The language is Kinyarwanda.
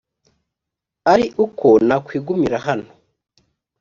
ari uko nakwigumira hano